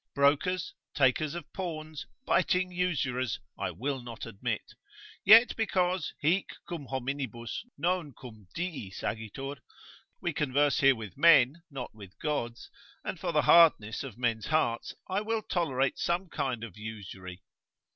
Brokers, takers of pawns, biting usurers, I will not admit; yet because hic cum hominibus non cum diis agitur, we converse here with men, not with gods, and for the hardness of men's hearts I will tolerate some kind of usury.